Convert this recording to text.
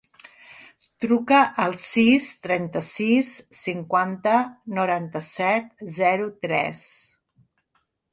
Truca al sis, trenta-sis, cinquanta, noranta-set, zero, tres.